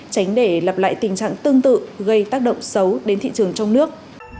tránh để lặp lại tình trạng tương tự gây tác động xấu đến thị trường trong nước